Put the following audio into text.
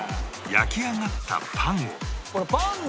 焼き上がったパンを